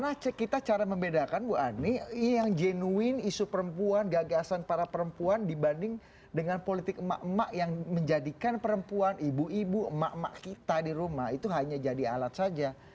nah kita cara membedakan bu ani yang jenuin isu perempuan gagasan para perempuan dibanding dengan politik emak emak yang menjadikan perempuan ibu ibu emak emak kita di rumah itu hanya jadi alat saja